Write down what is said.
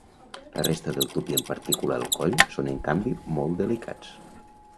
La resta del tub i en particular el coll són en canvi molt delicats.